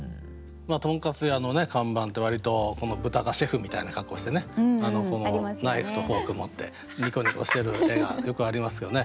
とんかつ屋の看板って割と豚がシェフみたいな格好してねナイフとフォーク持ってニコニコしてる絵がよくありますよね。